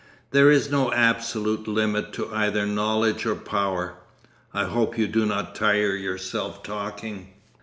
'There is no absolute limit to either knowledge or power.... I hope you do not tire yourself talking.